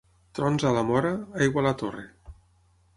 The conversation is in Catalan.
Trons a la Móra, aigua a la Torre.